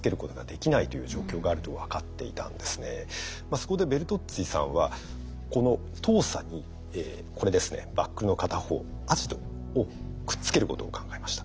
そこでベルトッツィさんはこの糖鎖にこれですねバックルの片方アジドをくっつけることを考えました。